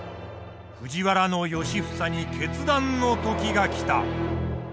藤原良房に決断の時が来た。